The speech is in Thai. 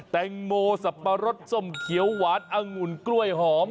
แตงโมสับปะรดส้มเขียวหวานองุ่นกล้วยหอม